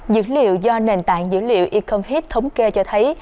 dữ liệu do nền tảng dữ liệu ecomhit thống kê cho thấy